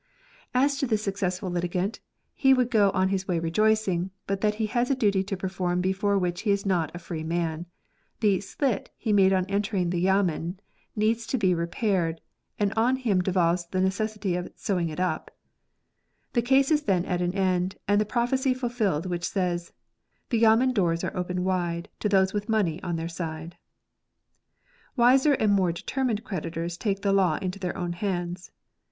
As to the successful litigant, he would go on his way rejoicing, but that he has a duty to perform before which he is not a free man. The *' slit " he made on entering the yamen needs to be re paired, and on him devolves the necessity of " sewing it up." The case is then at an end, and the prophecy fulfilled, which says :—" The yamen doors are open wide To those with money on their side." Wiser and more determined creditors take the law into their own hands.